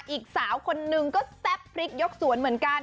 อีกสาวคนนึงก็แซ่บพริกยกสวนเหมือนกัน